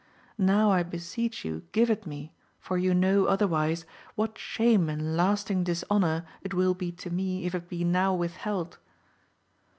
Now I beseech you give it me, for you know, otherwise, what shame and lasting dishonour it wiU be to me if it be now withheld.